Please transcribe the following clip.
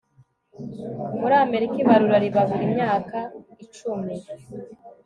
muri amerika, ibarura riba buri myaka icumi